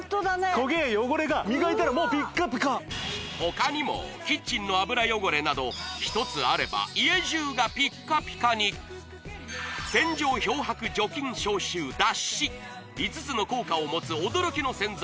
焦げや汚れが磨いたらもうピッカピカ他にもキッチンの油汚れなど１つあれば家じゅうがピッカピカに洗浄漂白除菌消臭脱脂５つの効果を持つ驚きの洗剤